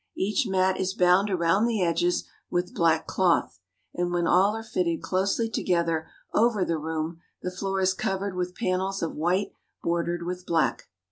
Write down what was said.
Each mat is bound around the edges with black cloth, and when all are fitted closely together over the room, the floor is covered with panels of white bordered with black.